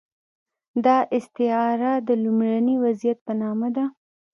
دا استعاره د لومړني وضعیت په نامه ده.